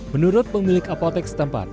menurut pemilik apotek setempat